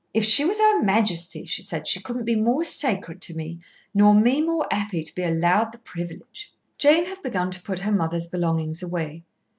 "If she was Her Majesty," she said, "she couldn't be more sacred to me, nor me more happy to be allowed the privilege." Jane had begun to put her mother's belongings away.